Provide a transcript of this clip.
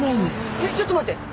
えっちょっと待って。